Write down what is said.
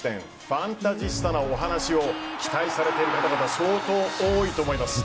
ファンタジスタなお話を期待されている方々相当多いと思います。